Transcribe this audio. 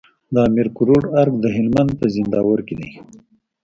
د امير کروړ ارګ د هلمند په زينداور کي دی